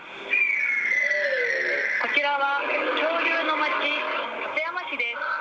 こちらは恐竜のまち、勝山市です。